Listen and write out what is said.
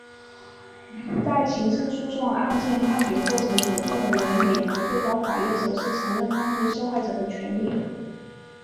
在刑事诉讼案件判决过程所做的为美国最高法院首次承认犯罪受害者的权利。